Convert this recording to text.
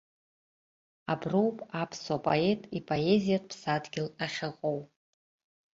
Аброуп аԥсуа поет ипоезиатә ԥсадгьыл ахьыҟоу.